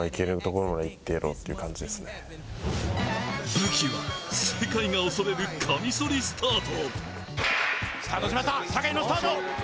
武器は世界が恐れるカミソリスタート。